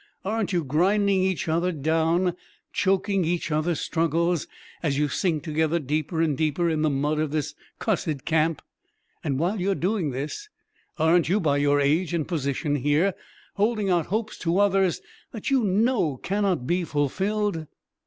Aren't you grinding each other down, choking each other's struggles, as you sink together deeper and deeper in the mud of this cussed camp? And while you're doing this, aren't you, by your age and position here, holding out hopes to others that you know cannot be fulfilled?"